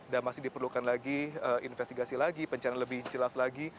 dan masih diperlukan lagi investigasi lagi pencarian lebih jelas lagi